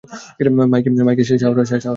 Mic সে শাহওয়ার, শাহওয়ার সে mic.